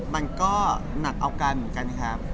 มันก็หนักเอากันเหมือนกันครับ